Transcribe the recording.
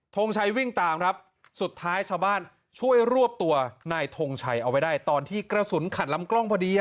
ทงชัยวิ่งตามครับสุดท้ายชาวบ้านช่วยรวบตัวนายทงชัยเอาไว้ได้ตอนที่กระสุนขัดลำกล้องพอดี